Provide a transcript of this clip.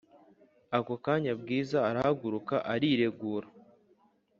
akokanya bwiza arahaguruka iriregura